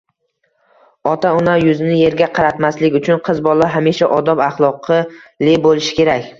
Ota-ona yuzini yerga qaratmaslik uchun qiz bola hamisha odob-axloqli bo‘lishi kerak.